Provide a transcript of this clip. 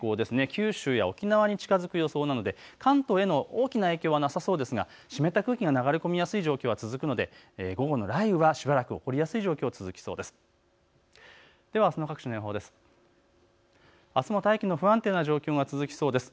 九州や沖縄に近づく予想なので関東への大きな影響はなさそうですが湿った空気が流れ込みやすい状況続きますので、雷雨がしばらく起こりやすい状況が続きそうです。